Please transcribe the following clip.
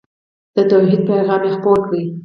د توحید پیغام یې خپور کړ.